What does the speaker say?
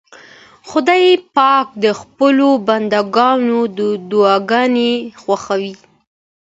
خدای پاک د خپلو بندګانو دعاګانې خوښوي.